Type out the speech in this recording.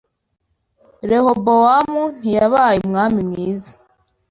Rehobowamu ntiyabaye umwami mwiza